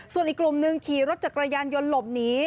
ส่วนอีกกลุ่มหนึ่งขี่รถจักรยานยนต์หลบหนี